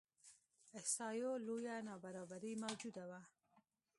احصایو لویه نابرابري موجوده وي.